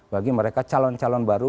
bagi mereka calon calon baru